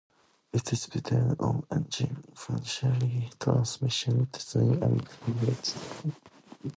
It is dependent on engine efficiency, transmission design, and tire design.